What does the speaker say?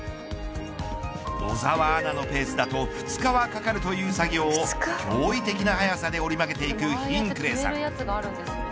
小澤アナのペースだと２日はかかるという作業を驚異的な速さで折り曲げていくＨｉｎｋｌａｙさん。